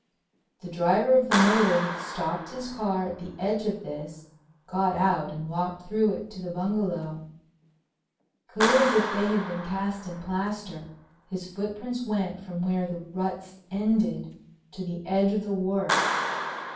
The driver of the motor had stopped his car at the edge of this, got out and walked through it to the bungalow. Clear as if they had been cast in plaster his footprints went from where the ruts ended to the edge of the wharf.